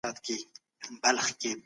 ايا درناوی اړين دی؟